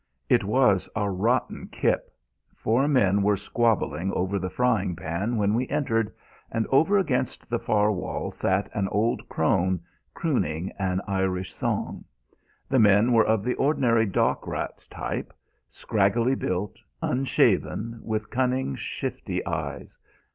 It was a rotten kip. Four men were squabbling over the frying pan when we entered, and over against the far wall sat an old crone, crooning an Irish song. The men were of the ordinary dock rat type, scraggily built, unshaven, with cunning, shifty eyes.